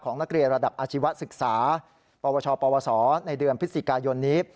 นักเรียนระดับอาชีวศึกษาปวชปวสในเดือนพฤศจิกายนนี้